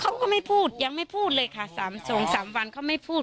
เขาก็ไม่พูดยังไม่พูดเลยค่ะ๓๒๓วันเขาไม่พูด